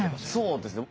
そうですね。